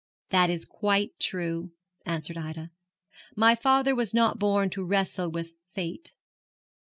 'That is quite true,' answered Ida; 'my father was not born to wrestle with Fate.'